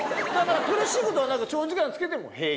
苦しいことなく長時間着けても平気。